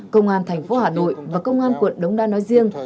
công an thành phố hà nội và công an quận đống đa nói riêng